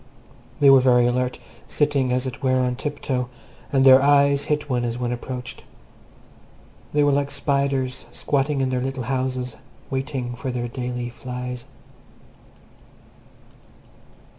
They were very alert, sitting, as it were, on tiptoe, and their eyes hit one as one approached. They were like spiders squatting in their little houses waiting for their daily flies.